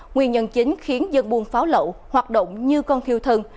nguyên nhân chính khiến dân buôn pháo lậu hoạt động như con thiêu thân